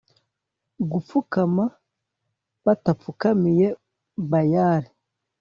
gupfukama batapfukamiye bayali